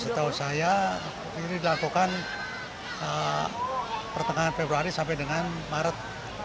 setahu saya ini dilakukan pertengahan februari sampai dengan maret